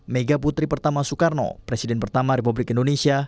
mega putri pertama soekarno presiden pertama republik indonesia